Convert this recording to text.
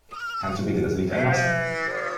Kannst du bitte das Licht anlassen?